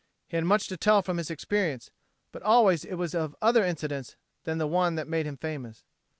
He had much to tell from his experience, but always it was of other incidents than the one that made him famous.